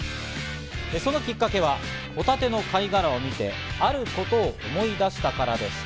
そのきっかけはホタテの貝殻を見てあることを思い出したからでした。